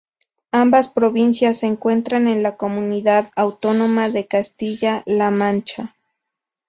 Ambas provincias se encuentran en la comunidad autónoma de Castilla-La Mancha.